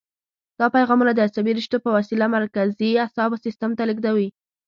دا پیغامونه د عصبي رشتو په وسیله مرکزي اعصابو سیستم ته لېږدوي.